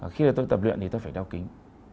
khi tôi tập luyện thì tôi phải đeo kính